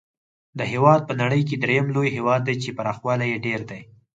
دا هېواد په نړۍ کې درېم لوی هېواد دی چې پراخوالی یې ډېر دی.